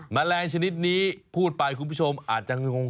แมลงชนิดนี้พูดไปคุณผู้ชมอาจจะงง